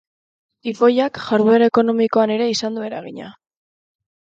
Tifoiak jarduera ekonomikoan ere izan du eragina.